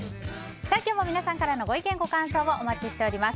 今日も皆さんからのご意見ご感想をお待ちしています。